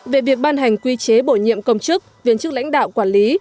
về việc ban hành quy chế bổ nhiệm công chức viên chức lãnh đạo quản lý